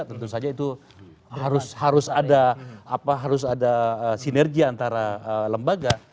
tentu saja itu harus ada sinergi antara lembaga